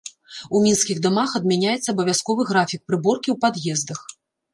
У мінскіх дамах адмяняецца абавязковы графік прыборкі ў пад'ездах.